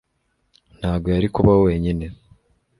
ntago yari kubaho wenyine